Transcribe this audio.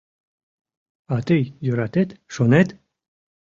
— А тый йӧратет, шонет?